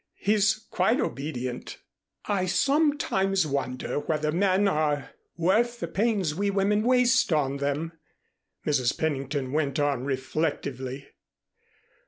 "He's quite obedient." "I sometimes wonder whether men are worth the pains we women waste on them." Mrs. Pennington went on reflectively.